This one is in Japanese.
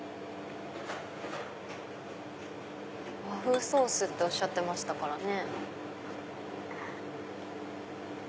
和風ソースっておっしゃってましたからね。